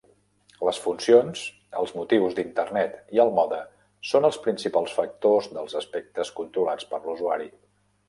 Les funcions, els motius d'Internet i el mode són els principals factors dels aspectes controlats per l'usuari.